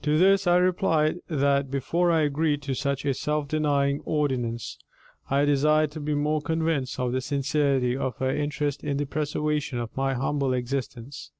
To this I replied that before I agreed to such a self denying ordinance, I desired to be more convinced of the sincerity of her interest in the preservation of my humble existence.